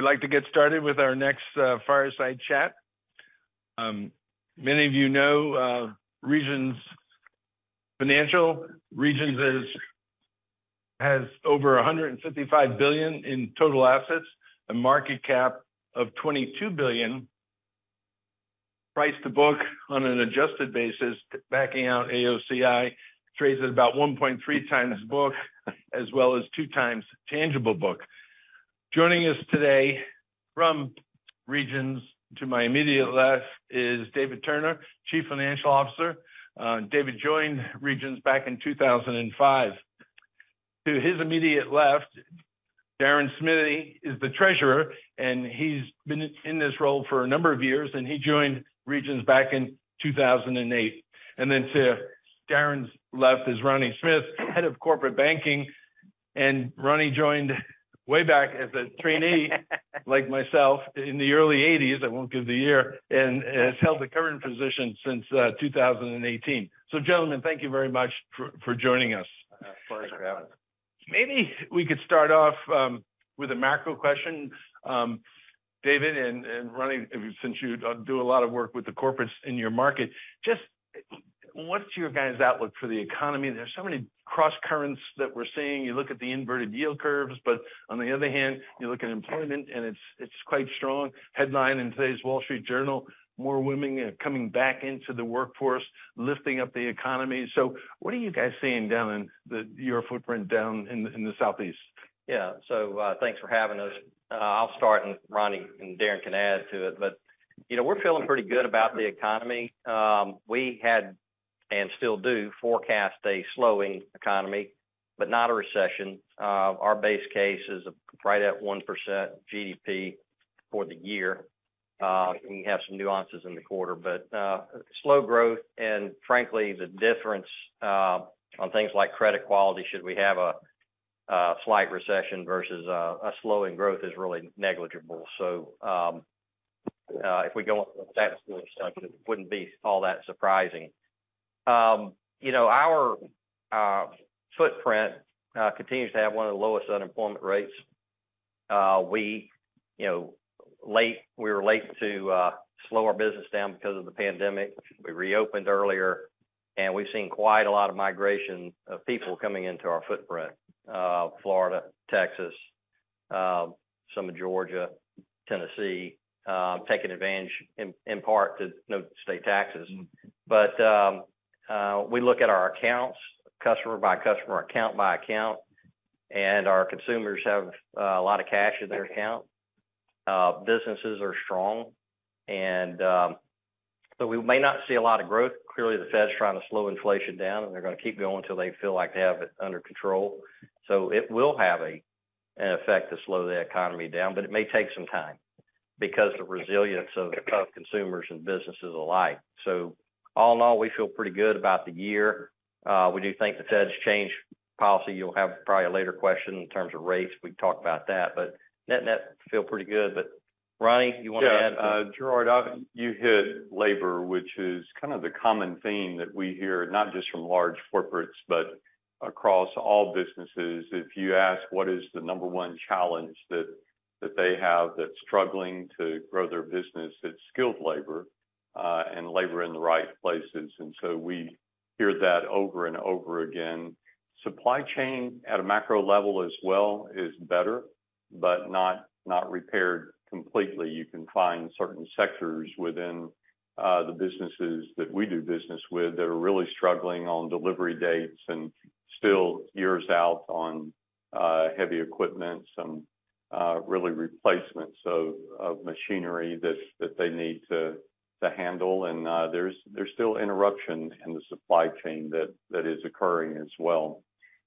We'd like to get started with our next fireside chat. Many of you know Regions Financial. Regions has over $155 billion in total assets, a market cap of $22 billion. Price to book on an adjusted basis, backing out AOCI, trades at about 1.3x book as well as 2x tangible book. Joining us today from Regions to my immediate left is David Turner, Chief Financial Officer. David joined Regions back in 2005. To his immediate left, Deron Smithy is the Treasurer, and he's been in this role for a number of years, and he joined Regions back in 2008. To Deron's left is Ronnie Smith, Head of Corporate Banking. Ronnie joined way back as a trainee, like myself, in the early 80s, I won't give the year, and has held the current position since 2018. Gentlemen, thank you very much for joining us. Thanks for having us. Maybe we could start off with a macro question. David and Ronnie, since you do a lot of work with the corporates in your market, just what's your guys outlook for the economy? There's so many crosscurrents that we're seeing. You look at the inverted yield curves, but on the other hand, you look at employment and it's quite strong. Headline in today's Wall Street Journal, more women are coming back into the workforce, lifting up the economy. What are you guys seeing down in your footprint down in the Southeast? Thanks for having us. I'll start and Ronnie and Deron can add to it. You know, we're feeling pretty good about the economy. We had, and still do forecast a slowing economy, but not a recession. Our base case is right at 1% GDP for the year. We have some nuances in the quarter, but slow growth and frankly, the difference on things like credit quality, should we have a slight recession versus a slowing growth is really negligible. If we go into a statistical assumption, it wouldn't be all that surprising. You know, our footprint continues to have one of the lowest unemployment rates. We, you know, we were late to slow our business down because of the pandemic. We reopened earlier, we've seen quite a lot of migration of people coming into our footprint, Florida, Texas, some in Georgia, Tennessee, taking advantage in part to no state taxes. We look at our accounts customer by customer, account by account, our consumers have a lot of cash in their account. Businesses are strong, we may not see a lot of growth. Clearly, the Fed's trying to slow inflation down, they're gonna keep going till they feel like they have it under control. It will have an effect to slow the economy down, but it may take some time because the resilience of consumers and businesses alike. All in all, we feel pretty good about the year. We do think the Fed's changed policy. You'll have probably a later question in terms of rates. We can talk about that, but net net feel pretty good. Ronnie, you want to add? Yeah. Gerard, you hit labor, which is kind of the common theme that we hear not just from large corporates, but across all businesses. If you ask what is the number 1 challenge that they have that's struggling to grow their business, it's skilled labor, and labor in the right places. We hear that over and over again. Supply chain at a macro level as well is better, but not repaired completely. You can find certain sectors within the businesses that we do business with that are really struggling on delivery dates and still years out on heavy equipment and really replacements of machinery that they need to handle. There's still interruption in the supply chain that is occurring as well.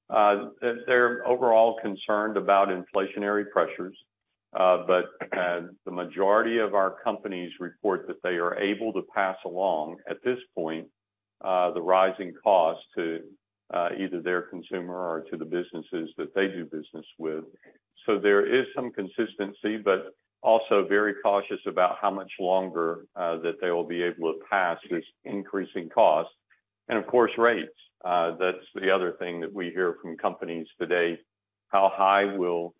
They're overall concerned about inflationary pressures, but the majority of our companies report that they are able to pass along, at this point, the rising costs to either their consumer or to the businesses that they do business with. There is some consistency, but also very cautious about how much longer that they will be able to pass these increasing costs. Of course, rates. That's the other thing that we hear from companies today. How high will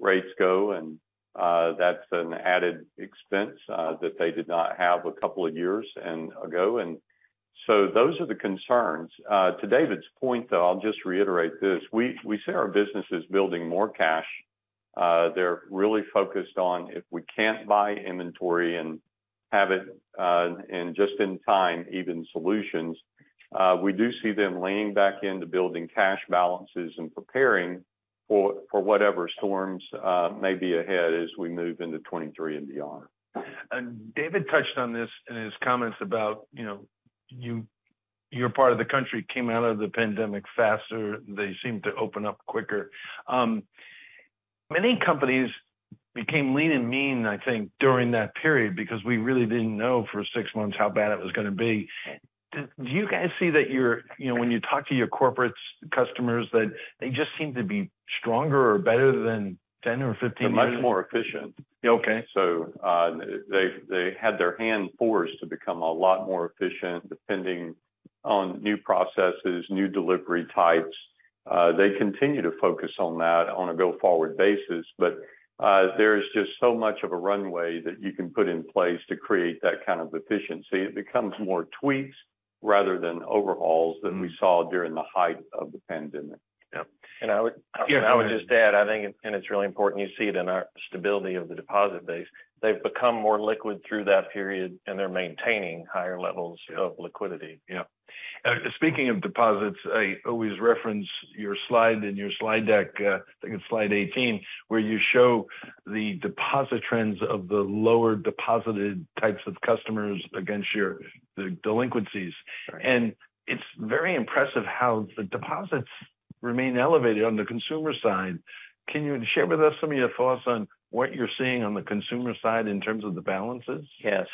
rates go? And that's an added expense that they did not have a couple of years ago. Those are the concerns. To David's point, though, I'll just reiterate this. We say our business is building more cash. They're really focused on if we can't buy inventory and have it in just in time, even solutions, we do see them leaning back into building cash balances and preparing for whatever storms may be ahead as we move into 23 and beyond. David touched on this in his comments about, you know, you're part of the country came out of the pandemic faster. They seemed to open up quicker. many companies became lean and mean, I think, during that period because we really didn't know for six months how bad it was gonna be. Do you guys see that you know, when you talk to your corporate customers that they just seem to be stronger or better than 10 or 15 years? They're much more efficient. Okay. They had their hand forced to become a lot more efficient, depending on new processes, new delivery types. They continue to focus on that on a go-forward basis. There is just so much of a runway that you can put in place to create that kind of efficiency. It becomes more tweaks rather than overhauls than we saw during the height of the pandemic. Yep. And I would- Yeah. I would just add, I think, and it's really important, you see it in our stability of the deposit base. They've become more liquid through that period, and they're maintaining higher levels of liquidity. Yeah. Speaking of deposits, I always reference your slide in your slide deck, I think it's slide 18, where you show the deposit trends of the lower deposited types of customers against the delinquencies. Sure. It's very impressive how the deposits remain elevated on the consumer side. Can you share with us some of your thoughts on what you're seeing on the consumer side in terms of the balances? Yeah.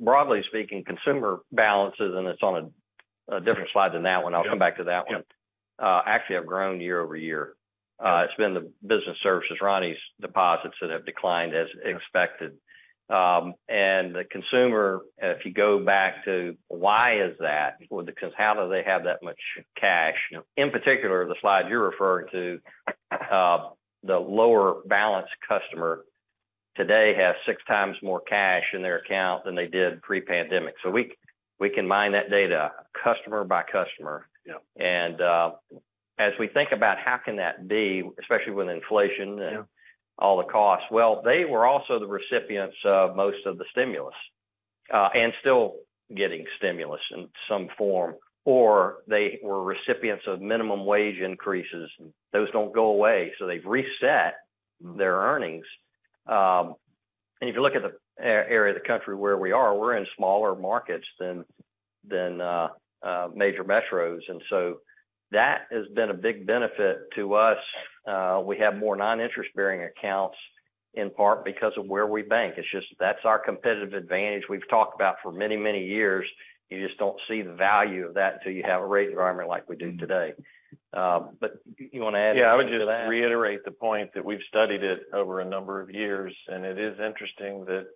Broadly speaking, consumer balances. It's on a different slide than that one. Yep. I'll come back to that one. Yep. Actually have grown year-over-year. It's been the business services, Ronnie's deposits that have declined as expected. The consumer, if you go back to why is that? Because how do they have that much cash? In particular, the slide you're referring to, the lower balance customer today has six times more cash in their account than they did pre-pandemic. We can mine that data customer by customer. Yep. As we think about how can that be, especially with inflation. Yeah... all the costs. They were also the recipients of most of the stimulus, still getting stimulus in some form, or they were recipients of minimum wage increases, those don't go away, so they've reset their earnings. If you look at the area of the country where we are, we're in smaller markets than major metros, that has been a big benefit to us. We have more non-interest bearing accounts in part because of where we bank. It's just, that's our competitive advantage we've talked about for many, many years. You just don't see the value of that until you have a rate environment like we do today. You wanna add anything to that? Yeah. I would just reiterate the point that we've studied it over a number of years. It is interesting that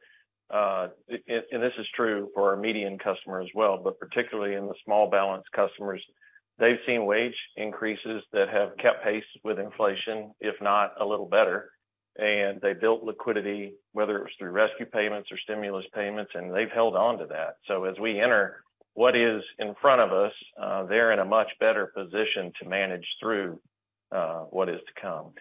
this is true for our median customer as well, but particularly in the small balance customers, they've seen wage increases that have kept pace with inflation, if not a little better. They built liquidity, whether it was through rescue payments or stimulus payments, and they've held on to that. As we enter what is in front of us, they're in a much better position to manage through what is to come.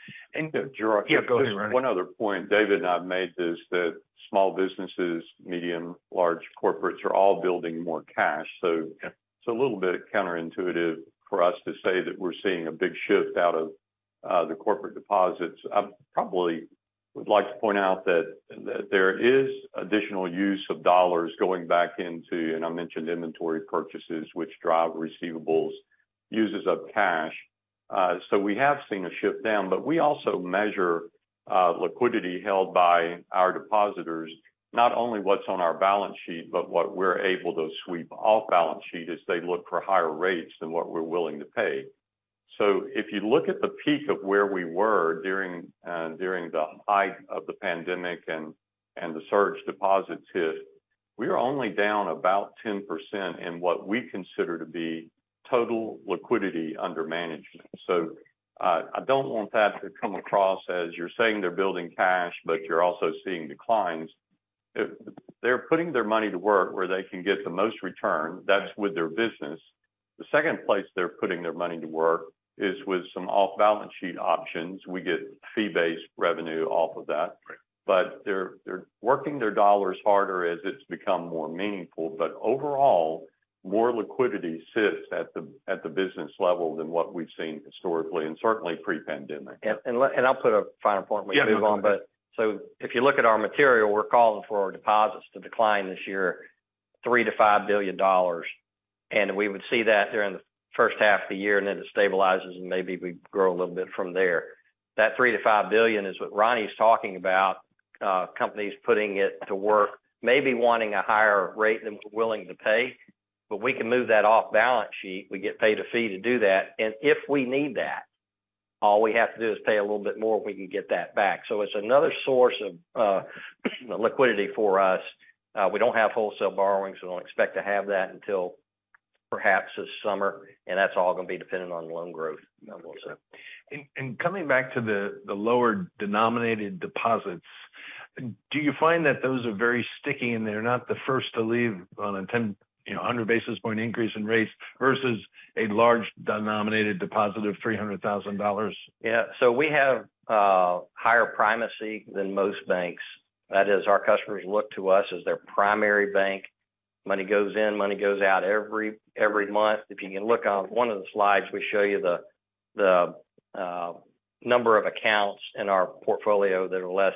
Gerard. Yeah, go ahead, Ronnie. One other point David and I have made is that small businesses, medium, large corporates are all building more cash. Yeah... it's a little bit counterintuitive for us to say that we're seeing a big shift out of the corporate deposits. I probably would like to point out that there is additional use of dollars going back into, and I mentioned inventory purchases, which drive receivables, uses of cash. We have seen a shift down, but we also measure liquidity held by our depositors, not only what's on our balance sheet, but what we're able to sweep off balance sheet as they look for higher rates than what we're willing to pay. If you look at the peak of where we were during the height of the pandemic and the surge deposits hit, we are only down about 10% in what we consider to be total liquidity under management. I don't want that to come across as you're saying they're building cash, but you're also seeing declines. They're putting their money to work where they can get the most return. That's with their business. The second place they're putting their money to work is with some off-balance sheet options. We get fee-based revenue off of that. Right. They're working their dollars harder as it's become more meaningful. Overall, more liquidity sits at the business level than what we've seen historically and certainly pre-pandemic. I'll put a final point when you move on. Yeah, move on. If you look at our material, we're calling for our deposits to decline this year, $3 billion-$5 billion. We would see that during the first half of the year. It stabilizes, maybe we grow a little bit from there. That $3 billion-$5 billion is what Ronnie is talking about, companies putting it to work, maybe wanting a higher rate than we're willing to pay. We can move that off balance sheet. We get paid a fee to do that. If we need that, all we have to do is pay a little bit more, we can get that back. It's another source of liquidity for us. We don't have wholesale borrowings. We don't expect to have that until perhaps this summer. That's all gonna be dependent on loan growth. Coming back to the lower denominated deposits, do you find that those are very sticky, and they're not the first to leave on a 10, you know, 100 basis point increase in rates versus a large denominated deposit of $300,000? Yeah. We have higher primacy than most banks. That is, our customers look to us as their primary bank. Money goes in, money goes out every month. If you can look on one of the slides, we show you the number of accounts in our portfolio that are less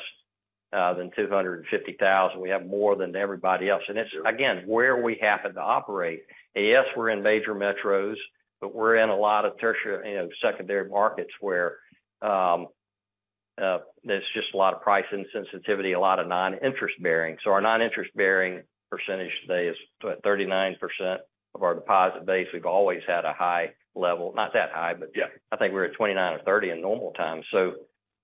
than 250,000. We have more than everybody else. It's again, where we happen to operate. Yes, we're in major metros, but we're in a lot of tertiary, you know, secondary markets where there's just a lot of price insensitivity, a lot of non-interest bearing. Our non-interest bearing percentage today is 39% of our deposit base. We've always had a high level, not that high. Yeah I think we're at 29 or 30 in normal times.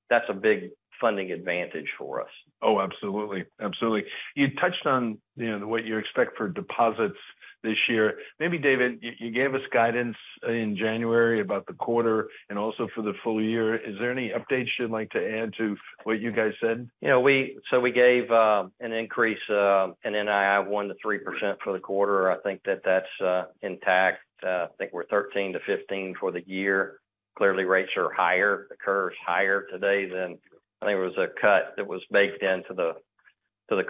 That's a big funding advantage for us. Oh, absolutely. Absolutely. You touched on, you know, what you expect for deposits this year. Maybe, David, you gave us guidance in January about the quarter and also for the full year. Is there any updates you'd like to add to what you guys said? You know, we gave an increase in NII of 1%-3% for the quarter. I think that that's intact. I think we're 13%-15% for the year. Clearly, rates are higher. The curve is higher today than, I think, it was a cut that was baked into the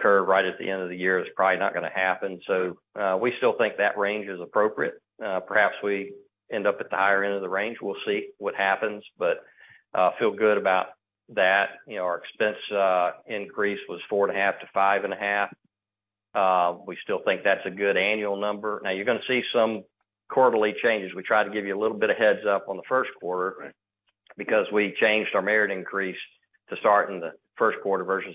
curve right at the end of the year. It's probably not gonna happen. We still think that range is appropriate. Perhaps we end up at the higher end of the range. We'll see what happens, but feel good about that. You know, our expense increase was 4.5%-5.5%. We still think that's a good annual number. You're gonna see some quarterly changes. We try to give you a little bit of heads-up on the first quarter because we changed our merit increase to start in the first quarter versus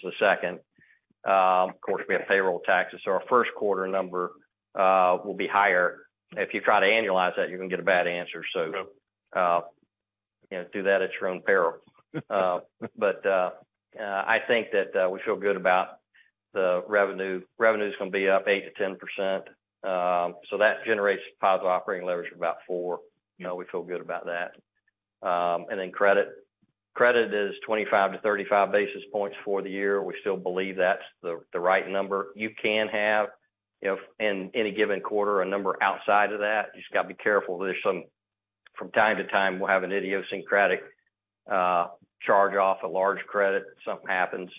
the second. Of course, we have payroll taxes, so our first quarter number will be higher. If you try to annualize that, you're gonna get a bad answer. Yep. You know, do that at your own peril. I think that we feel good about the revenue. Revenue is gonna be up 8%-10%, so that generates positive operating leverage of about 4%. You know, we feel good about that. Credit. Credit is 25-35 basis points for the year. We still believe that's the right number. You can have, if in any given quarter, a number outside of that. You just got to be careful. From time to time, we'll have an idiosyncratic charge-off, a large credit, something happens.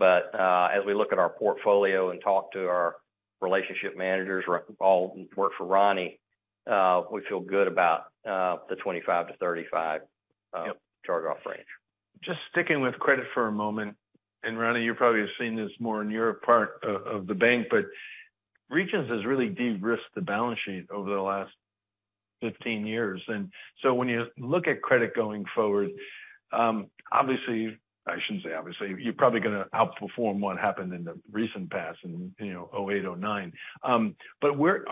As we look at our portfolio and talk to our relationship managers all work for Ronnie, we feel good about the 25-35 charge-off range. Just sticking with credit for a moment, Ronnie, you probably have seen this more in your part of the bank, Regions has really de-risked the balance sheet over the last 15 years. When you look at credit going forward, obviously, I shouldn't say obviously, you're probably gonna outperform what happened in the recent past in, you know, 2008, 2009.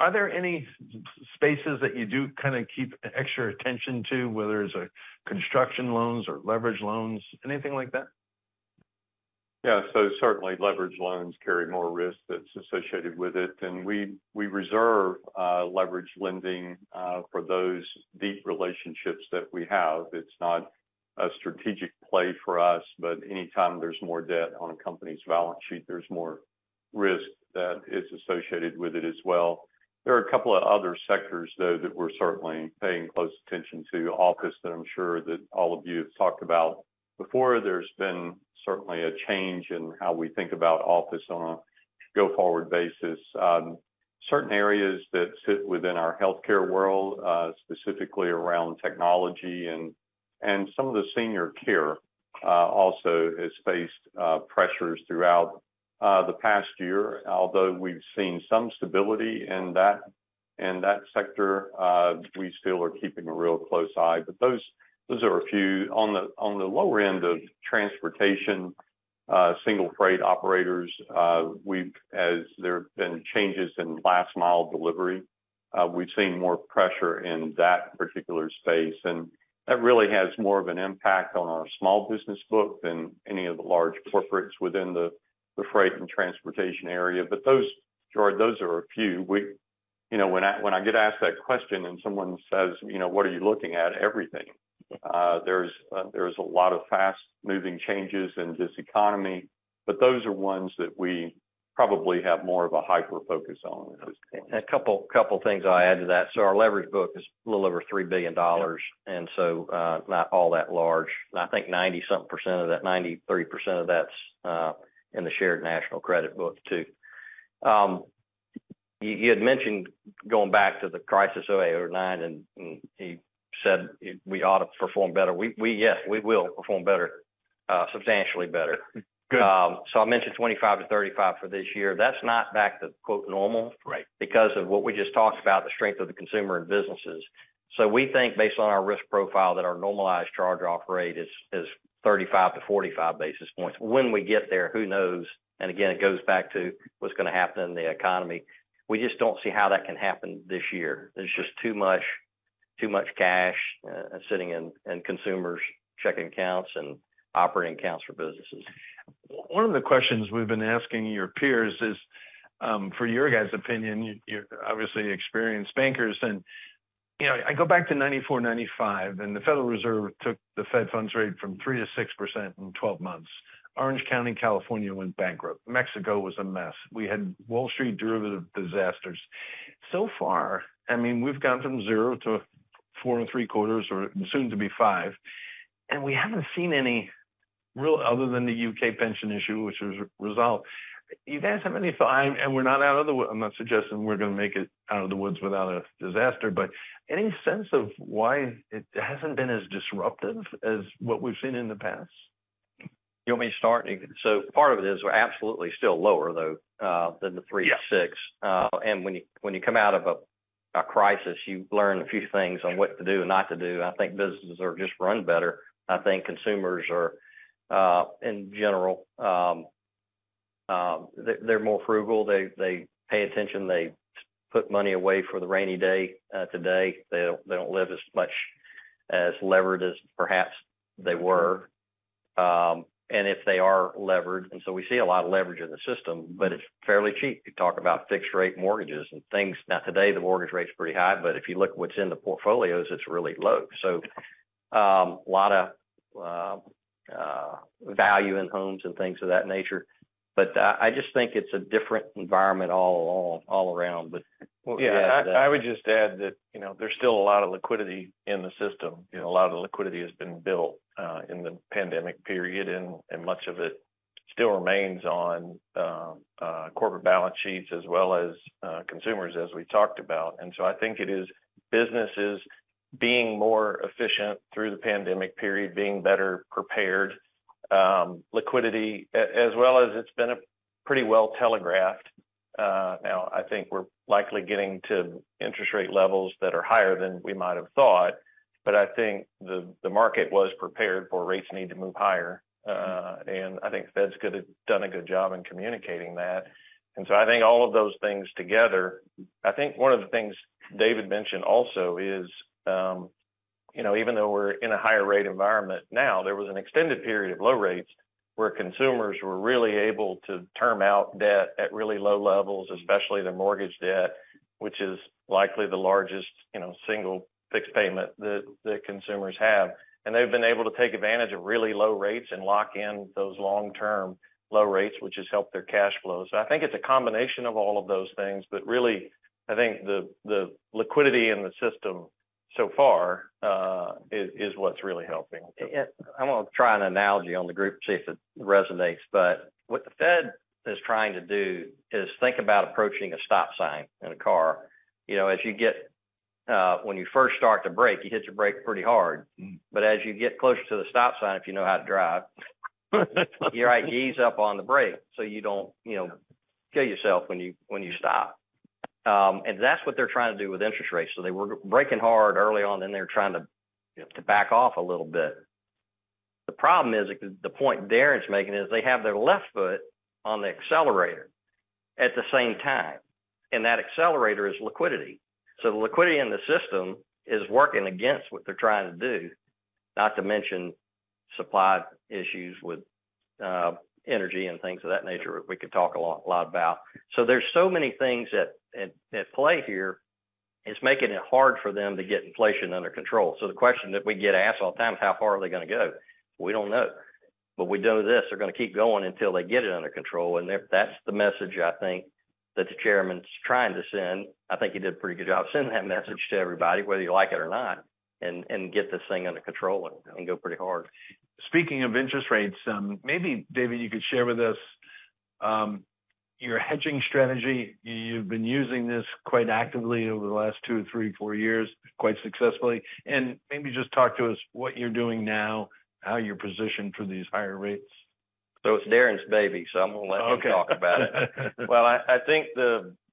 Are there any spaces that you do kinda keep extra attention to, whether it's, like, construction loans or leverage loans, anything like that? Yeah. Certainly leverage loans carry more risk that's associated with it. We reserve leveraged lending for those deep relationships that we have. It's not a strategic play for us, but anytime there's more debt on a company's balance sheet, there's more risk that is associated with it as well. There are a couple of other sectors, though, that we're certainly paying close attention to. Office, that I'm sure that all of you have talked about before. There's been certainly a change in how we think about office on a go-forward basis. Certain areas that sit within our healthcare world, specifically around technology and some of the senior care, also has faced pressures throughout the past year. Although we've seen some stability in that sector, we still are keeping a real close eye. Those are a few. On the lower end of transportation, single freight operators, as there have been changes in last mile delivery, we've seen more pressure in that particular space, and that really has more of an impact on our small business book than any of the large corporates within the freight and transportation area. Those, Gerard, those are a few. You know, when I get asked that question and someone says, "You know, what are you looking at?" Everything. There's a lot of fast-moving changes in this economy, but those are ones that we probably have more of a hyper-focus on at this point. A couple things I'll add to that. Our leverage book is a little over $3 billion, and so not all that large. I think 90 something % of that, 93% of that's in the shared national credit book, too. You had mentioned going back to the crisis 2008, 2009, and you said we ought to perform better. We, yes, we will perform better, substantially better. Good. I mentioned 25-35 for this year. That's not back to quote, "normal. Right. Because of what we just talked about, the strength of the consumer and businesses. We think based on our risk profile, that our normalized charge-off rate is 35-45 basis points. When we get there, who knows? Again, it goes back to what's gonna happen in the economy. We just don't see how that can happen this year. There's just too much cash sitting in consumers' checking accounts and operating accounts for businesses. One of the questions we've been asking your peers is, for your guys' opinion, you're obviously experienced bankers. You know, I go back to 1994, 1995, the Federal Reserve took the federal funds rate from 3%-6% in 12 months. Orange County, California went bankrupt. Mexico was a mess. We had Wall Street derivative disasters. So far, I mean, we've gone from 0% to 4.75%, or soon to be 5%, and we haven't seen any real, other than the U.K. pension issue, which was resolved. You guys have any thought? We're not out of the woods. I'm not suggesting we're gonna make it out of the woods without a disaster, but any sense of why it hasn't been as disruptive as what we've seen in the past? You want me to start? Part of it is we're absolutely still lower, though, than the 3 to 6. Yeah. When you come out of a crisis, you learn a few things on what to do and not to do. I think businesses are just run better. I think consumers are, in general, they're more frugal. They pay attention. They put money away for the rainy day today. They don't live as much as levered as perhaps they were. If they are levered. We see a lot of leverage in the system, but it's fairly cheap. You talk about fixed rate mortgages and things. Now, today, the mortgage rate's pretty high, but if you look what's in the portfolios, it's really low. A lot of value in homes and things of that nature. I just think it's a different environment all around. Well, yeah, I would just add that, you know, there's still a lot of liquidity in the system. You know, a lot of liquidity has been built in the pandemic period, and much of it still remains on corporate balance sheets as well as consumers, as we talked about. I think it is businesses being more efficient through the pandemic period, being better prepared, liquidity, as well as it's been pretty well telegraphed. Now I think we're likely getting to interest rate levels that are higher than we might have thought, I think the market was prepared for rates need to move higher. I think Fed's done a good job in communicating that. I think all of those things together. I think one of the things David mentioned also is, you know, even though we're in a higher rate environment now, there was an extended period of low rates where consumers were really able to term out debt at really low levels, especially their mortgage debt, which is likely the largest, you know, single fixed payment that consumers have. They've been able to take advantage of really low rates and lock in those long-term low rates, which has helped their cash flows. I think it's a combination of all of those things, but really, I think the liquidity in the system so far, is what's really helping. Yeah. I wanna try an analogy on the group, see if it resonates. What the Fed is trying to do is think about approaching a stop sign in a car. You know, when you first start to brake, you hit your brake pretty hard. Mm. As you get closer to the stop sign, if you know how to drive, you're like, ease up on the brake so you don't, you know, kill yourself when you stop. That's what they're trying to do with interest rates. They were braking hard early on, and they're trying to, you know, to back off a little bit. The problem is, the point Deron's making is they have their left foot on the accelerator at the same time, and that accelerator is liquidity. The liquidity in the system is working against what they're trying to do, not to mention supply issues with energy and things of that nature we could talk a lot about. There's so many things at play here, it's making it hard for them to get inflation under control. The question that we get asked all the time is how far are they gonna go? We don't know. We know this, they're gonna keep going until they get it under control. That's the message I think that the chairman's trying to send. I think he did a pretty good job sending that message to everybody, whether you like it or not, get this thing under control and go pretty hard. Speaking of interest rates, maybe, David, you could share with us, your hedging strategy. You've been using this quite actively over the last two, three, four years quite successfully. Maybe just talk to us what you're doing now, how you're positioned for these higher rates. it's Deron's baby, so I'm gonna let him talk about it. Okay. Well, I think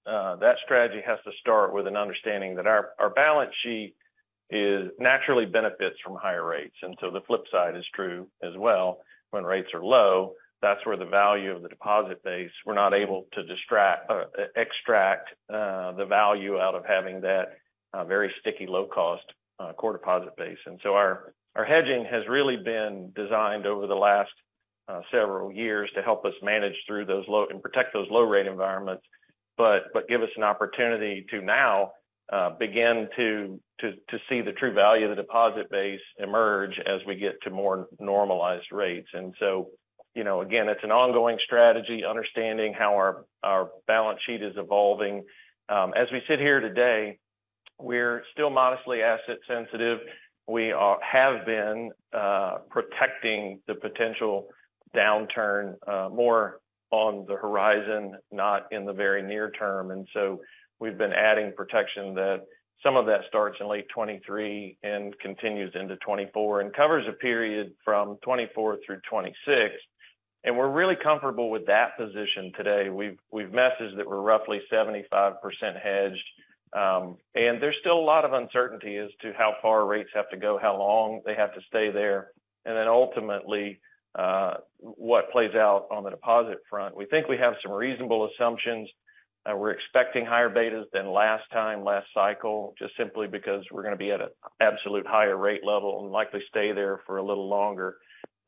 that strategy has to start with an understanding that our balance sheet naturally benefits from higher rates. The flip side is true as well. When rates are low, that's where the value of the deposit base, we're not able to extract the value out of having that very sticky, low-cost core deposit base. Our hedging has really been designed over the last several years to help us manage through those low and protect those low rate environments, but give us an opportunity to now begin to see the true value of the deposit base emerge as we get to more normalized rates. You know, again, it's an ongoing strategy, understanding how our balance sheet is evolving. As we sit here today, we're still modestly asset sensitive. We have been protecting the potential downturn more on the horizon, not in the very near term. We've been adding protection that some of that starts in late 2023 and continues into 2024 and covers a period from 2024-2026. We're really comfortable with that position today. We've messaged that we're roughly 75% hedged. There's still a lot of uncertainty as to how far rates have to go, how long they have to stay there, and then ultimately what plays out on the deposit front. We think we have some reasonable assumptions. We're expecting higher betas than last time, last cycle, just simply because we're gonna be at a absolute higher rate level and likely stay there for a little longer.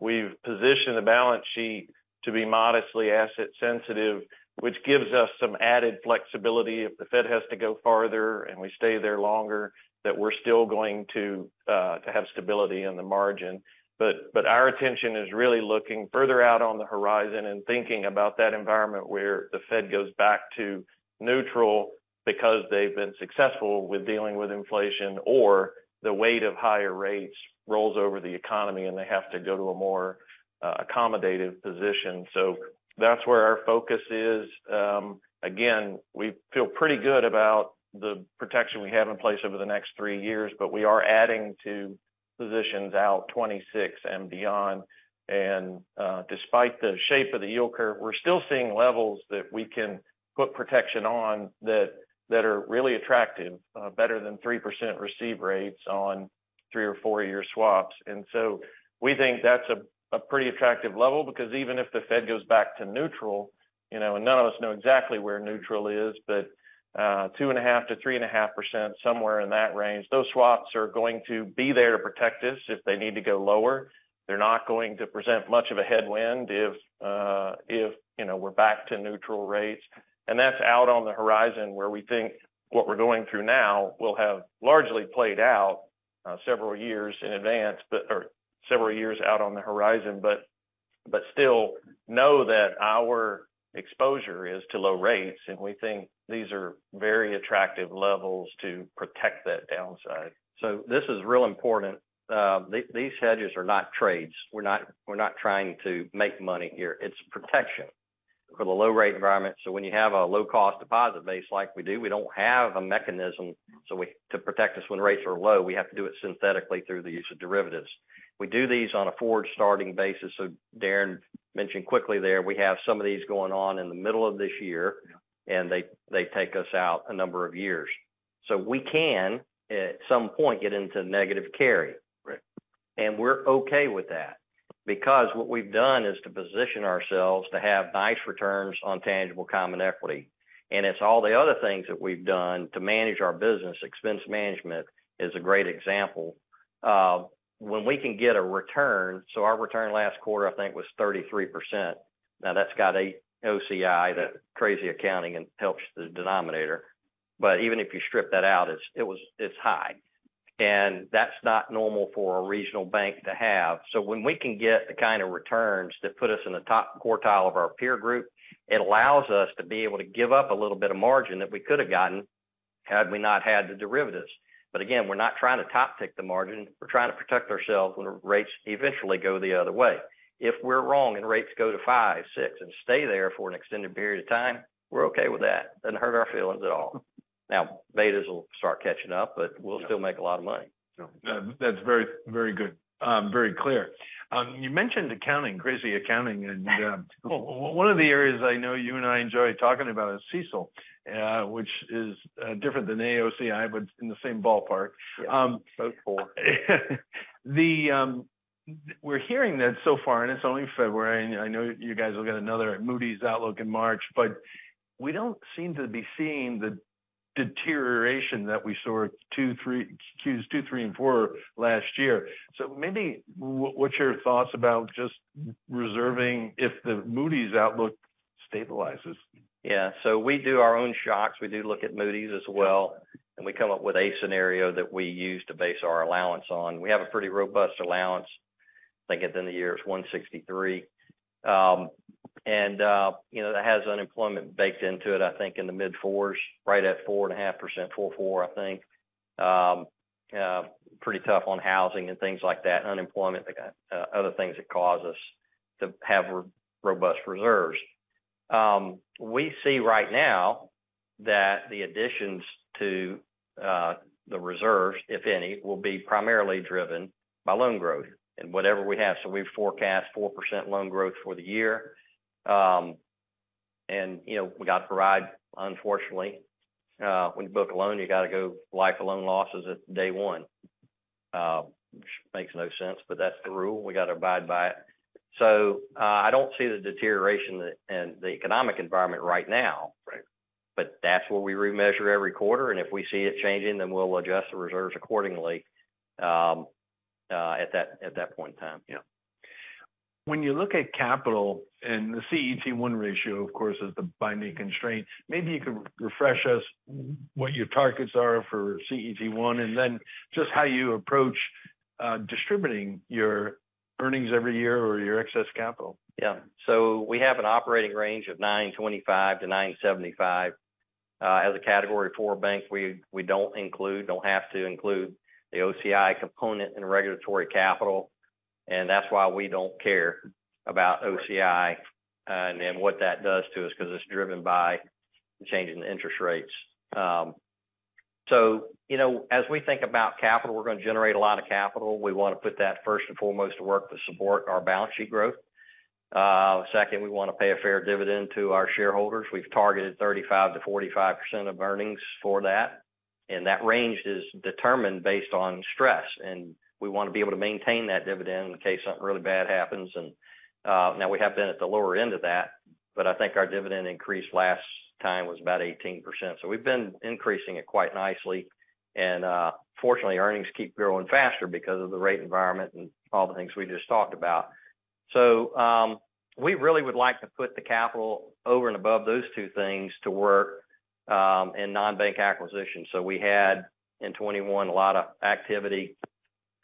We've positioned the balance sheet to be modestly asset sensitive, which gives us some added flexibility if the Fed has to go farther and we stay there longer, that we're still going to to have stability in the margin. Our attention is really looking further out on the horizon and thinking about that environment where the Fed goes back to neutral because they've been successful with dealing with inflation or the weight of higher rates rolls over the economy, and they have to go to a more accommodative position. That's where our focus is. Again, we feel pretty good about the protection we have in place over the next three years, but we are adding to positions out 2026 and beyond. Despite the shape of the yield curve, we're still seeing levels that we can put protection on that are really attractive, better than 3% receive rates on 3- or 4-year swaps. We think that's a pretty attractive level because even if the Fed goes back to neutral, you know, and none of us know exactly where neutral is, but 2.5%-3.5%, somewhere in that range, those swaps are going to be there to protect us if they need to go lower. They're not going to present much of a headwind if, you know, we're back to neutral rates. That's out on the horizon where we think what we're going through now will have largely played out, several years in advance, several years out on the horizon, but still know that our exposure is to low rates, and we think these are very attractive levels to protect that downside. This is real important. These hedges are not trades. We're not trying to make money here. It's protection for the low rate environment. When you have a low-cost deposit base like we do, we don't have a mechanism to protect us when rates are low, we have to do it synthetically through the use of derivatives. We do these on a forward starting basis. Deron mentioned quickly there, we have some of these going on in the middle of this year. Yeah. They take us out a number of years. We can, at some point, get into negative carry. Right. We're okay with that because what we've done is to position ourselves to have nice returns on tangible common equity. It's all the other things that we've done to manage our business. Expense management is a great example. When we can get a return. Our return last quarter, I think, was 33%. Now, that's got AOCI, the crazy accounting, and helps the denominator. Even if you strip that out, it's high. That's not normal for a regional bank to have. When we can get the kind of returns that put us in the top quartile of our peer group, it allows us to be able to give up a little bit of margin that we could have gotten had we not had the derivatives. Again, we're not trying to top-tick the margin. We're trying to protect ourselves when rates eventually go the other way. If we're wrong and rates go to 5, 6, and stay there for an extended period of time, we're okay with that. Doesn't hurt our feelings at all. Betas will start catching up, but we'll still make a lot of money. Sure. That's very, very good. Very clear. You mentioned accounting, crazy accounting. One of the areas I know you and I enjoy talking about is CECL, which is different than AOCI, but in the same ballpark. Yes. Both poor. The, we're hearing that so far, and it's only February, and I know you guys will get another Moody's outlook in March, but we don't seem to be seeing the deterioration that we saw Q2, Q3, and Q4 last year. Maybe what's your thoughts about just reserving if the Moody's outlook stabilizes? Yeah. We do our own shocks. We do look at Moody's as well, and we come up with a scenario that we use to base our allowance on. We have a pretty robust allowance. I think at the end of the year, it's 163. You know, that has unemployment baked into it, I think in the mid-4s, right at 4.5%, 4.4%, I think. Pretty tough on housing and things like that, unemployment, other things that cause us to have robust reserves. We see right now that the additions to the reserves, if any, will be primarily driven by loan growth and whatever we have. We forecast 4% loan growth for the year. You know, we got to provide, unfortunately, when you book a loan, you got to go life of loan losses at day one. Which makes no sense, but that's the rule. We got to abide by it. I don't see the deterioration in the economic environment right now. Right. That's what we remeasure every quarter, and if we see it changing, then we'll adjust the reserves accordingly at that point in time. When you look at capital and the CET1 ratio, of course, is the binding constraint, maybe you could refresh us what your targets are for CET1, and then just how you approach distributing your earnings every year or your excess capital? We have an operating range of 9.25%-9.75%. As a Category IV bank, we don't have to include the OCI component in regulatory capital, and that's why we don't care about OCI, and what that does to us, because it's driven by the change in interest rates. You know, as we think about capital, we're gonna generate a lot of capital. We want to put that first and foremost to work to support our balance sheet growth. Second, we want to pay a fair dividend to our shareholders. We've targeted 35%-45% of earnings for that, and that range is determined based on stress. We want to be able to maintain that dividend in case something really bad happens. Now we have been at the lower end of that, but I think our dividend increase last time was about 18%. We've been increasing it quite nicely. Fortunately, earnings keep growing faster because of the rate environment and all the things we just talked about. We really would like to put the capital over and above those two things to work in non-bank acquisitions. We had in 2021, a lot of activity.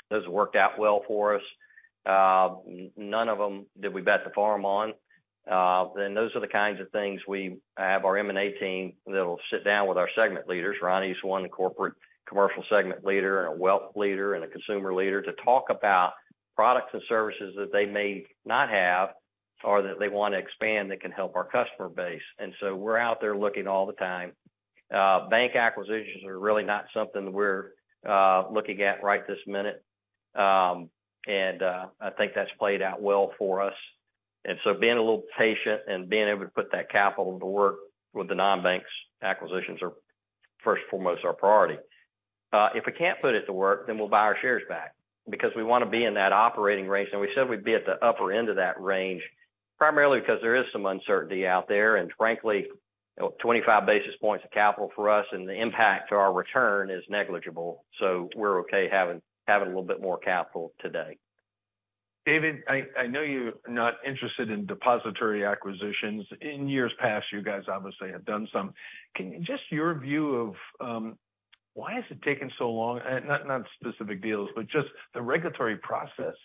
Those worked out well for us. None of them did we bet the farm on. Those are the kinds of things we have our M&A team that'll sit down with our segment leaders, Ronnie's one, the corporate commercial segment leader and a wealth leader and a consumer leader, to talk about products and services that they may not have or that they want to expand that can help our customer base. We're out there looking all the time. Bank acquisitions are really not something we're looking at right this minute. I think that's played out well for us. Being a little patient and being able to put that capital to work with the non-banks acquisitions are first and foremost our priority. If we can't put it to work, we'll buy our shares back because we wanna be in that operating range. We said we'd be at the upper end of that range, primarily because there is some uncertainty out there, and frankly, 25 basis points of capital for us and the impact to our return is negligible. We're okay having a little bit more capital today. David, I know you're not interested in depository acquisitions. In years past, you guys obviously have done some. Just your view of why has it taken so long? Not specific deals, but just the regulatory process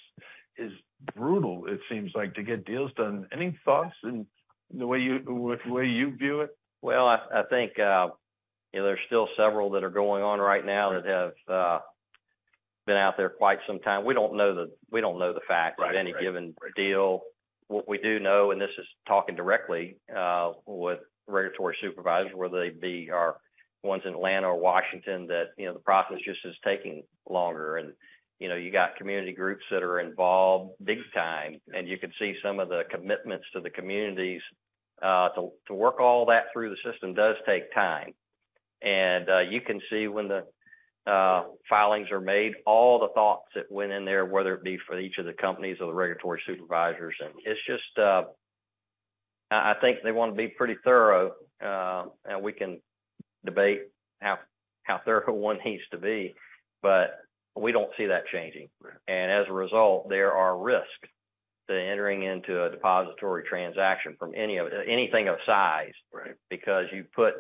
is brutal, it seems like, to get deals done. Any thoughts in the way you, the way you view it? Well, I think, you know, there's still several that are going on right now that have been out there quite some time. We don't know the facts. Right. ...of any given deal. What we do know, and this is talking directly with regulatory supervisors, whether they be our ones in Atlanta or Washington, that, you know, the process just is taking longer. You know, you got community groups that are involved big time, and you can see some of the commitments to the communities, to work all that through the system does take time. You can see when the filings are made, all the thoughts that went in there, whether it be for each of the companies or the regulatory supervisors. It's just, I think they want to be pretty thorough. We can debate how thorough one needs to be, but we don't see that changing. Right. As a result, there are risks to entering into a depository transaction from anything of size. Right ...because you put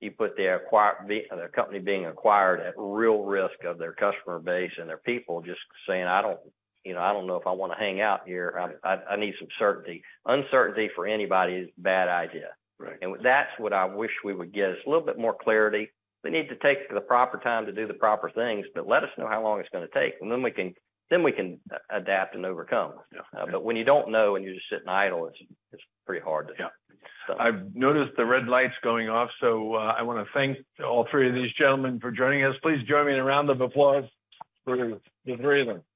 the company being acquired at real risk of their customer base and their people just saying, "I don't, you know, I don't know if I wanna hang out here. I need some certainty." Uncertainty for anybody is a bad idea. Right. That's what I wish we would get, is a little bit more clarity. We need to take the proper time to do the proper things, but let us know how long it's gonna take, then we can adapt and overcome. Yeah. When you don't know and you're just sitting idle, it's pretty hard to. I've noticed the red light's going off, so I wanna thank all three of these gentlemen for joining us. Please join me in a round of applause for the three of them. Thank you.